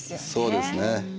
そうですね。